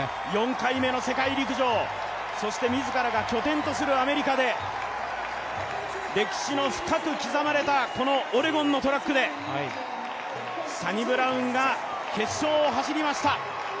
４回目の世界陸上、そして自らが拠点とするアメリカで歴史の深く刻まれたこのオレゴンのトラックでサニブラウンが決勝を走りました。